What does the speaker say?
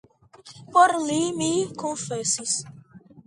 Por li mi konfesis.